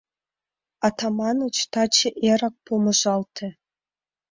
Атаманыч таче эрак помыжалте.